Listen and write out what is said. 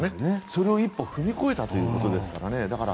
それを一歩踏み超えたということですからね。